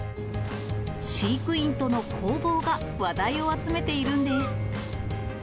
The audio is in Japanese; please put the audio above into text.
飼育員との攻防が話題を集めているんです。